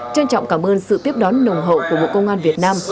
trân trọng cảm ơn sự tiếp đón nồng hậu của bộ công an việt nam